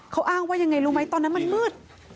เขาอ้างว่ายังไงรู้ไหมตอนนั้นมันมืด